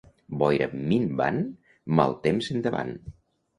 Boira minvant, mal temps endavant.